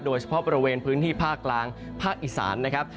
โดยเฉพาะบริเวณพื้นที่ภาคกลางภาคอีสานนะครับ